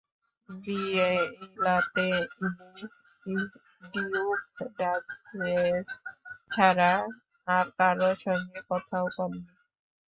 বিলাতে ইনি duke duchess ছাড়া আর কারো সঙ্গে কথাও কন নি।